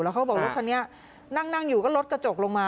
แล้วเขาบอกวิธีนี้นั่งอยู่ก็รถกระจกลงมา